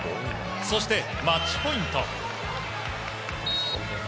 そして、マッチポイント。